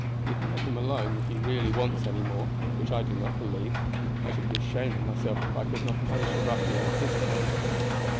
You can let him alone if he really wants any more, which I do not believe. I should be ashamed of myself if I could not punish a ruffian of his kind."